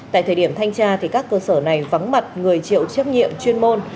tại thời điểm thanh tra thì các cơ sở này vắng mặt người chịu chấp nhiệm chuyên môn